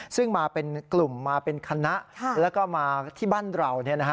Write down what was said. ซึ่งมาเป็นกลุ่มมาเป็นคณะแล้วก็มาที่บ้านเรา